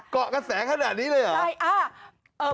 เกาะกันแสงขนาดนี้เลยหรือ